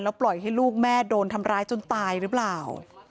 ปล่อยให้ลูกแม่โดนทำร้ายจนตายหรือเปล่า